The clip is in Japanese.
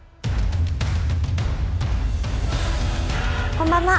こんばんは。